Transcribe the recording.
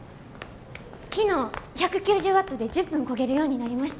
昨日１９０ワットで１０分こげるようになりました。